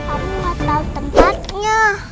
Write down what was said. aku gak tau tempatnya